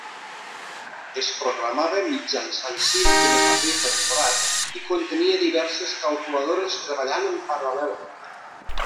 Es programava mitjançant cinta de paper perforat, i contenia diverses calculadores treballant en paral·lel.